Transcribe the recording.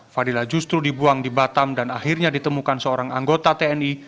fadilah justru dibuang di batam dan akhirnya ditemukan seorang anggota tni